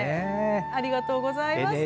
ありがとうございます。